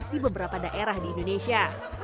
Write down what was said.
di beberapa daerah di indonesia